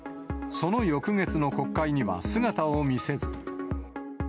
その翌月の国会には姿を見せず。